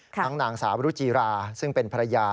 นางสาวรุจิราซึ่งเป็นภรรยา